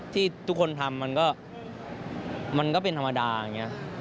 ที่ทุกคนทำมันก็เป็นธรรมดาอย่างนี้